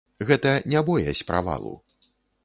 Гэта не боязь правалу.